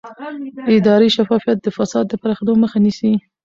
اداري شفافیت د فساد د پراخېدو مخه نیسي